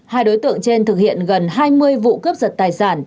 hai đối tượng trên thực hiện gần hai mươi vụ cướp giật tài sản